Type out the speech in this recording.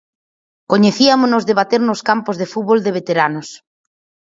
Coñeciámonos de bater nos campos de fútbol de veteranos.